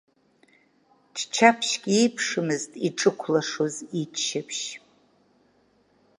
Ччаԥшьк еиԥшымызт иҿықәлашоз иччаԥшь.